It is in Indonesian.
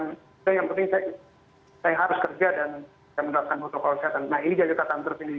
nah ini jadi kata kata terpilih juga bagi pemerintah